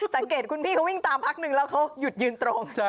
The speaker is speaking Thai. สังเกตคุณพี่เขาวิ่งตามพักนึงแล้วเขาหยุดยืนตรง